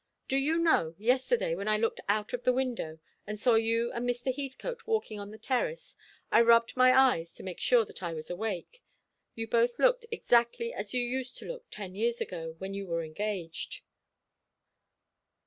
Do you know, yesterday, when I looked out of the window, and saw you and Mr. Heathcote walking on the terrace, I rubbed my eyes to make sure that I was awake. You both looked exactly as you used to look ten years ago, when you were engaged."